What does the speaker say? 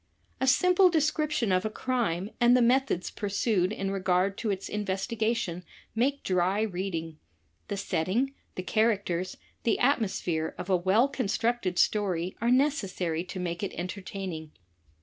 A simple description of a crime and the methods pursued in regard to its investigation make dry reading. The setting, thejixaiactgrs, the atmosphere, of a well constructed story are necessary to make it entertaining.